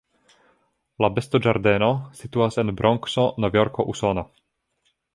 La bestoĝardeno situas en Bronkso, Novjorko, Usono.